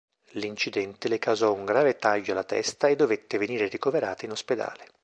L'incidente le causò un grave taglio alla testa e dovette venire ricoverata in ospedale.